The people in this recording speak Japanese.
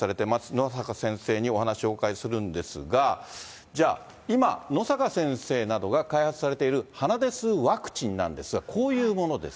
野阪先生にお話をお伺いするんですが、じゃあ、今、野阪先生などが開発されている鼻で吸うワクチンなんですが、こういうものです。